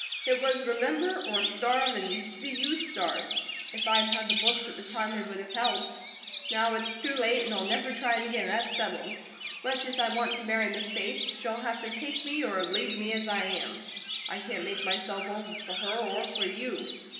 It was remember, or starve, and see you starve. If I'd had the books at the time they would have helped; now it's too late, and I'll never try it again, that's settled. Much as I want to marry Miss Bates, she'll have to take me or leave me as I am. I can't make myself over for her or for you.